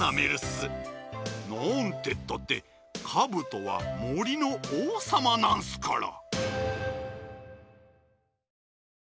なんてったってカブトはもりのおうさまなんすから！